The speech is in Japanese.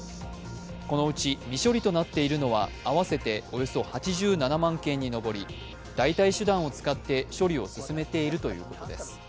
このうち未処理となっているのは合わせておよそ８７万件に上り代替手段を使って処理を進めているということです。